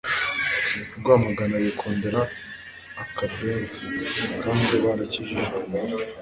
rwamagana bikundira akabenzi kandi barakijijwe